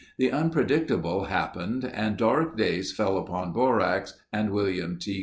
The unpredictable happened and dark days fell upon borax and William T.